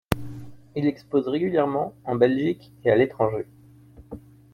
Il expose régulièrement en Belgique et à l’étranger.